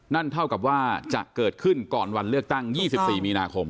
นั่นเท่ากับว่าจะเกิดขึ้นก่อนวันเลือกตั้ง๒๔มีนาคม